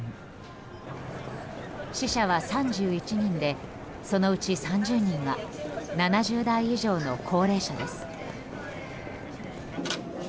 死者は３１人でそのうち３０人が７０代以上の高齢者です。